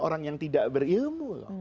orang yang tidak berilmu